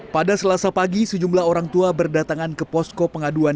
pada selasa pagi sejumlah orang tua berdatangan ke posko pengaduan